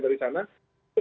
jadi waktu rakyat dari sana